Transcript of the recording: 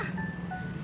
oh ini dia